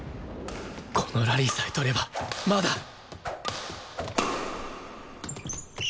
このラリーさえ取ればまだ！